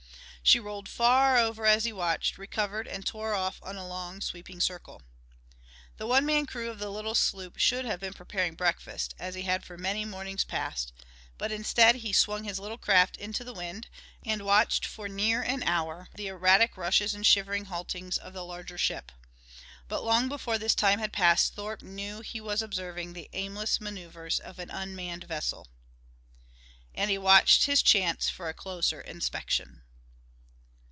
She rolled far over as he watched, recovered, and tore off on a long, sweeping circle. The one man crew of the little sloop should have been preparing breakfast, as he had for many mornings past, but, instead he swung his little craft into the wind and watched for near an hour the erratic rushes and shivering haltings of the larger ship. But long before this time had passed Thorpe knew he was observing the aimless maneuvers of an unmanned vessel. And he watched his chance for a closer inspection.